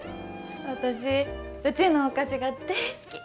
私うちのお菓子が大好き。